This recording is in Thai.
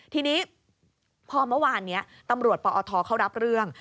ทีนี้พอเมื่อวานนี้ตำรวจปอทเขารับเรื่อง